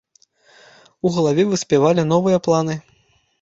У галаве выспявалі новыя планы.